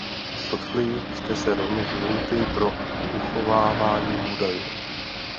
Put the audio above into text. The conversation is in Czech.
Dotkli jste se rovněž lhůty pro uchovávání údajů.